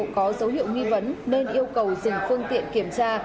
có dấu hiệu nghi vấn nên yêu cầu dừng phương tiện kiểm tra